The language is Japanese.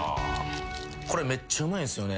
これめっちゃうまいんすよね。